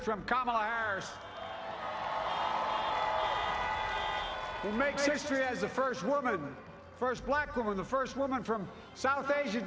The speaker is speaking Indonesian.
dia membuat sejarah sebagai wanita pertama wanita pertama black wanita pertama dari asia barat